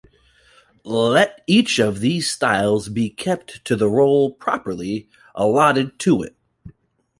Let each of these styles be kept to the role properly allotted to it.